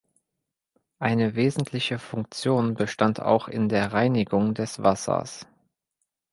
Eine wesentliche Funktion bestand auch in der Reinigung des Wassers.